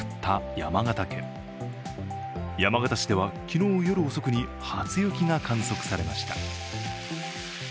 山形市では、昨日夜遅くに初雪が観測されました。